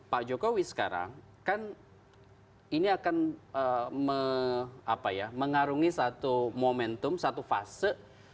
pak jokowi sekarang kan ini akan mengarungi satu momentum satu fase